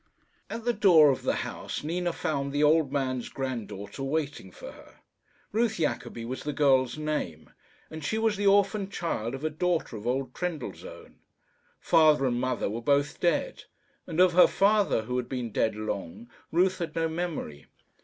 At the door of the house Nina found the old man's grand daughter waiting for her. Ruth Jacobi was the girl's name, and she was the orphaned child of a daughter of old Trendellsohn. Father and mother were both dead; and of her father, who had been dead long, Ruth had no memory.